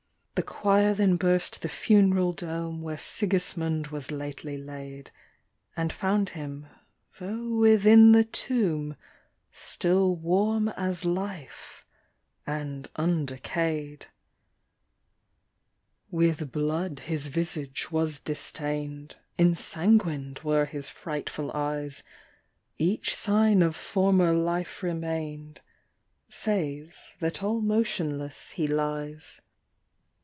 The choir then burst the fun'ral dome Where Sigismund was latel) laid, And found him, tho' within the tomb, Still warm as life, and undecay'd. With blood his visage was distain'd, Ensanguin'd were his frightful eyes, Each sign of former life remain'd, Save that all motionless he lies.